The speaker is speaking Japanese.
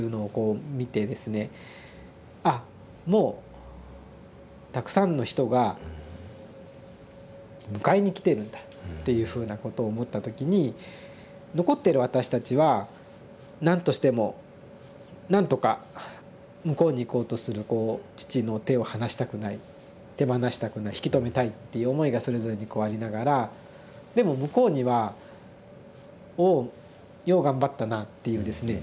「あもうたくさんの人が迎えに来てるんだ」っていうふうなことを思った時に残ってる私たちは何としても何とか向こうにいこうとするこう父の手を離したくない手放したくない引き止めたいっていう思いがそれぞれにこうありながらでも向こうには「おおよう頑張ったな」っていうですね